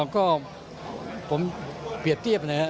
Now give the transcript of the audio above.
ก็ผมเปรียบเทียบเลย